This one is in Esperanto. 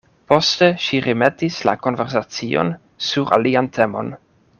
Poste ŝi remetis la konversacion sur alian temon.